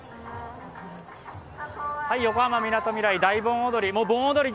横浜みなとみらい、大盆踊り。